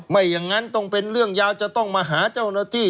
ไม่อย่างนั้นต้องเป็นเรื่องยาวจะต้องมาหาเจ้าหน้าที่